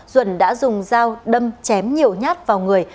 duẩn đã dùng dao đâm chém nhiều nhát vào người